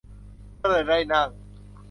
ก็เลยได้นั่ง